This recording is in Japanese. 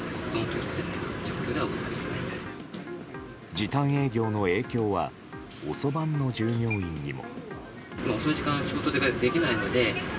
時短営業の影響は遅番の従業員にも。